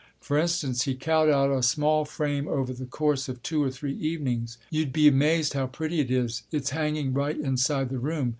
For instance, he cut out a small frame over the course of two or three evenings. You'd be amazed how pretty it is. It's hanging right inside the room.